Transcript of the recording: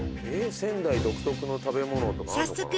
仙台独特の食べ物とかあるのかな？